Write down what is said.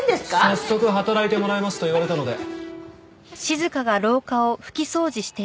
早速働いてもらいますと言われたので。